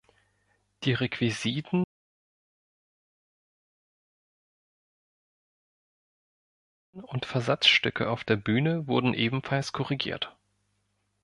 Die Requisiten und Versatzstücke auf der Bühne wurden ebenfalls korrigiert.